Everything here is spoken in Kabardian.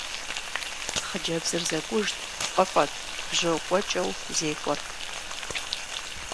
Хъыджэбзыр зэкӀужт, пкъыфӀэт, бжьо кӀуэкӀэу зекӀуэрт.